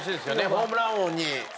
ホームラン王に。